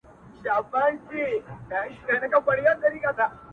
o يوه ورځ بيا پوښتنه راپورته کيږي,